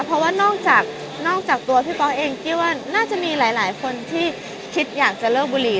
เพราะว่านอกจากนอกจากตัวพี่ป๊อกเองกี้ว่าน่าจะมีหลายคนที่คิดอยากจะเลิกบุหรี่